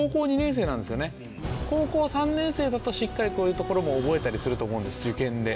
高校３年生だとしっかりこういうところも覚えたりすると思うんです受験で。